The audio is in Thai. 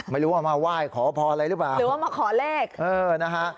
ไม่รู้ว่ามาไหว้ขอพรอะไรหรือเปล่าหรือว่ามาขอเลขเออนะฮะ